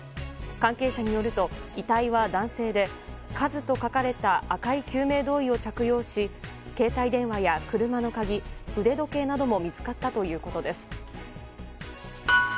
関係者によると、遺体は男性で「ＫＡＺＵ」と書かれた赤い救命胴衣を着用し携帯電話や車の鍵、腕時計なども見つかったということです。